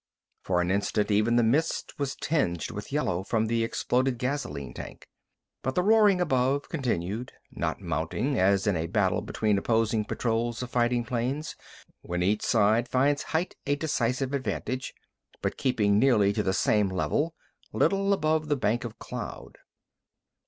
For an instant even the mist was tinged with yellow from the exploded gasoline tank. But the roaring above continued—not mounting, as in a battle between opposing patrols of fighting planes, when each side finds height a decisive advantage, but keeping nearly to the same level, little above the bank of cloud.